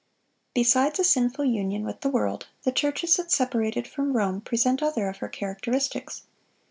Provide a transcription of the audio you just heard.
Besides a sinful union with the world, the churches that separated from Rome present other of her characteristics.